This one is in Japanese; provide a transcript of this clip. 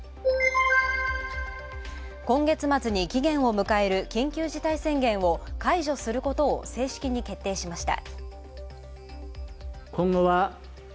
今月末に期限を迎える緊急事態宣言を解除することを正式に決定しました。